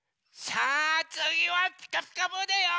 さあつぎは「ピカピカブ！」だよ！